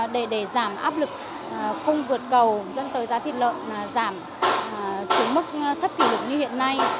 để giảm áp lực cung vượt cầu dẫn tới giá thịt lợn giảm xuống mức thấp kỷ lực